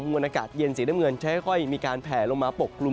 ประการห่วงอากาศเย็นเสียแต้มเงินจะค่อยมีการแผลลงมาปกกลุ่ม